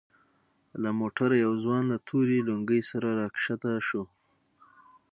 له موټره يو ځوان له تورې لونگۍ سره راکښته سو.